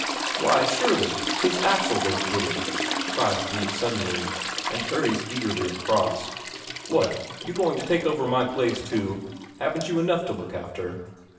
"Why, surely 'tis Axel there's bidding," cries Brede suddenly, and hurries eagerly across. "What, you going to take over my place too? Haven't you enough to look after?"